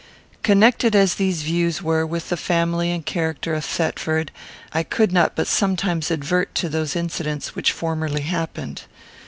Connected as these views were with the family and character of Thetford, I could not but sometimes advert to those incidents which formerly happened.